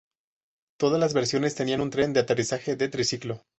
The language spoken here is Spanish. Todas las versiones tenían un tren de aterrizaje de triciclo.